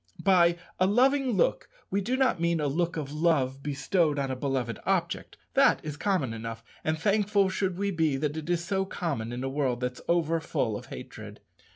By a loving look we do not mean a look of love bestowed on a beloved object. That is common enough; and thankful should we be that it is so common in a world that's overfull of hatred.